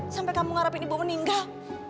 sampai kamu ngarapin ibu meninggal